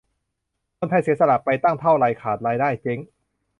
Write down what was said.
คนไทยเสียสละไปตั้งเท่าไร ขาดรายได้ เจ๊ง